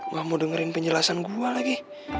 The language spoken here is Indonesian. gak mau dengerin penjelasan gua lagi